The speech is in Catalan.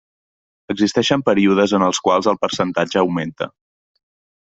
Existeixen períodes en els quals el percentatge augmenta.